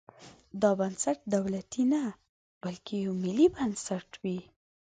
دا بنسټ دولتي نه بلکې یو ملي بنسټ وي.